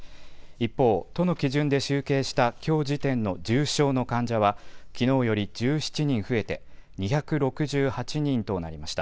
一方、都の基準で集計したきょう時点の重症の患者は、きのうより１７人増えて、２６８人となりました。